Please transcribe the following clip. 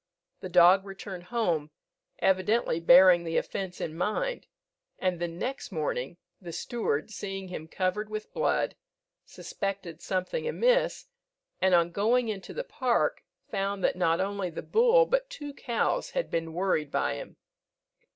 The dog returned home, evidently bearing the offence in mind, and the next morning, the steward, seeing him covered with blood, suspected something amiss, and on going into the park, found that not only the bull, but two cows had been worried by him.